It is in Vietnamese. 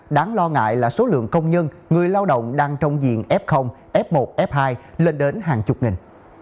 đáng lo ngại là số lượng công nhân người lao động đang trong diện f f một f hai lên đến hàng chục nghìn